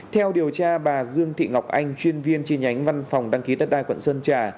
theo điều tra bà dương thị ngọc anh chuyên viên chi nhánh văn phòng đăng ký đất đai quận sơn trà